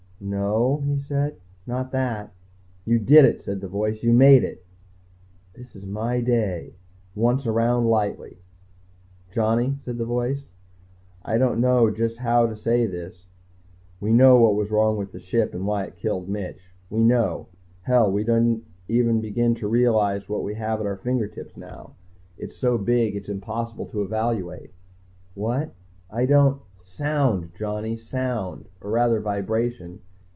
"No," he said. "Not that." "You did it," said the voice. "You made it." This is my day. Once around lightly. "Johnny," said the voice. "I don't know just how to say this. We know what was wrong with Ship I, and why it killed Mitch. We know hell, we don't even begin to realize what we have at our fingertips now. It's so big it's impossible to evaluate." "What? I don't " "Sound, Johnny, sound. Or rather, vibration.